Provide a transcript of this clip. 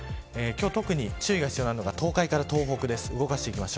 注意が必要なのが東海から東北です。